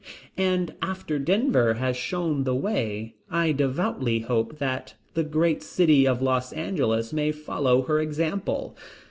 And after Denver has shown the way, I devoutly hope that Great City of Los Angeles may follow her example.